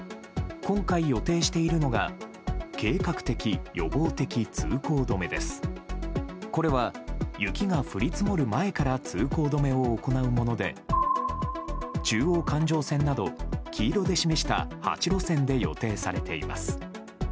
今回予定しているのが、計画的・予防的通行止めです。これは雪が降り積もる前から通行止めを行うもので、中央環状線など、黄色で示した８路線で予定されています。